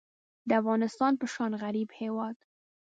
د افغانستان په شان غریب هیواد